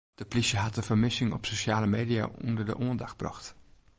De plysje hat de fermissing op sosjale media ûnder de oandacht brocht.